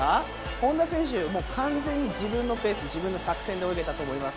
本多選手、完全に自分のペース、自分の作戦で泳げたと思います。